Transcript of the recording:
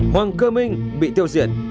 hoàng cơ minh bị tiêu diệt